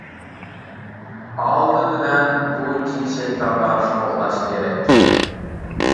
ئالدى بىلەن بۇ جىن-شەيتانلارنى قوغلاش كېرەك.